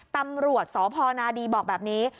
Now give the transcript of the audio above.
ตำรวจสพนาดีบอกแบบนี้